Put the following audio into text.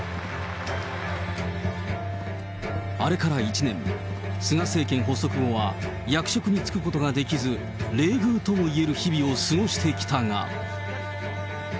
あれから１年、菅政権発足後は役職に就くことができず、冷遇ともいえる日々を過ごしてきたが。